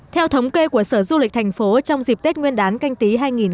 theo thống kê của sở du lịch thành phố trong dịp tết nguyên đán canh tí hai nghìn hai mươi